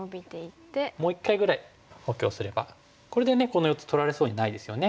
もう一回ぐらい補強すればこれでこの４つ取られそうにないですよね。